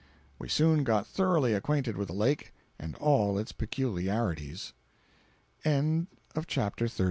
We soon got thoroughly acquainted with the Lake and all its peculiarities. CHAPTER XXXVIII.